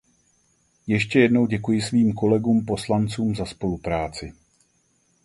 Ještě jednou děkuji svým kolegům poslancům za spolupráci.